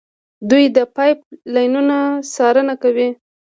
دوی د پایپ لاینونو څارنه کوي.